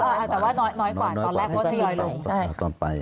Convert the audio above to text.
เพราะขยอยลง